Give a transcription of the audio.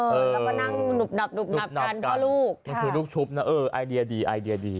แล้วก็นั่งหนุบหนับหุบหนับกันพ่อลูกนี่คือลูกชุบนะเออไอเดียดีไอเดียดี